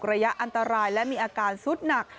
ระยะอันตรายและมีอาการสุดหนัก